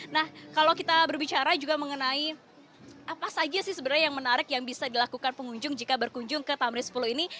nah kalau kita berbicara juga mengenai apa saja sih sebenarnya yang menarik yang bisa dilakukan pengunjung jika berkunjung ke tamrin sepuluh ini